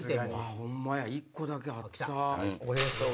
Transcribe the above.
ホンマや１個だけあった。